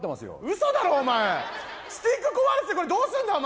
ウソだろお前スティック壊れててこれどうすんだよ